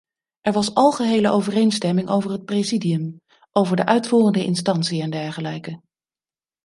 Er was algehele overeenstemming over het presidium, over de uitvoerende instantie en dergelijke.